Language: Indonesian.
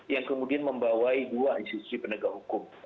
yang kemudian membawai dua institusi penegak hukum